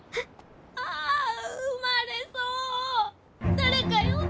ああ産まれそう。